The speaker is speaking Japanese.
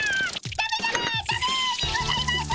ダメにございます！